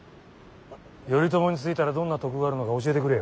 頼朝についたらどんな得があるのか教えてくれよ。